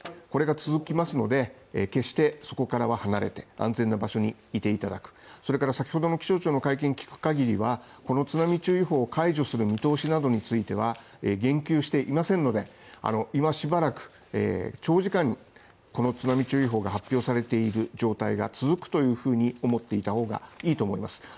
これが続きますので決してそこからは離れて安全な場所にいていただく、それから先ほどの気象庁の会見を聞く限りは、この津波注意報解除する見通しなどについては言及していませんので、今しばらく長時間、この津波注意報が発表されている状態が続くというふうに思っていた方がいいと思います。